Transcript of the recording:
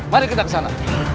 mari kita kesana